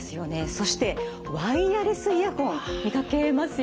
そしてワイヤレスイヤホン見かけますよね。